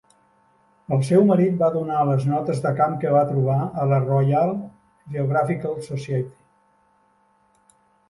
El seu marit va donar les notes de camp que va trobar a la Royal Geographical Society.